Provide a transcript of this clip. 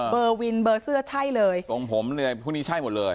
เบอร์วินเบอร์เสื้อช่ายเลยผมผมน่ะเพียงพวกนี้ช่ายหมดเลย